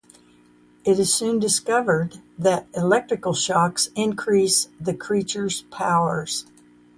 It is soon discovered that electrical shocks increase the creatures' powers.